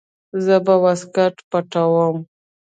زه به واسکټ پټاووم.